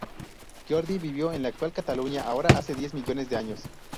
Jordi vivió en la actual Cataluña ahora hace diez millones de años.